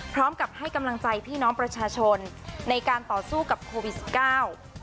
พร้อมกับให้กำลังใจพี่น้องประชาชนในการต่อสู้กับโควิดสิบเก้า